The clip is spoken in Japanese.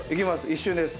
一瞬です。